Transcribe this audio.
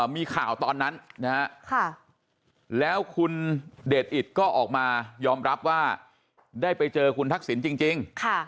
มีข่าวตอนนั้นนะครับแล้วคุณเดชติก็ออกมายอมรับว่าได้ไปเจอกูธักษินธรรมต์จริง